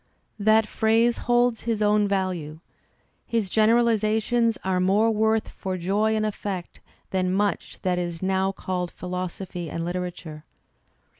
That phrase holds his own value. His generalizations are more worth for joy and effect than much that is now called philosophy and Uterature.